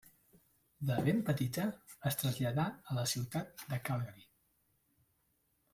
De ben petita es traslladà a la ciutat de Calgary.